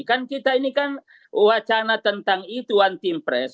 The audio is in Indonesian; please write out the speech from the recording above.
kan kita ini kan wacana tentang itu one team press